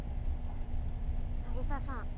凪沙さん。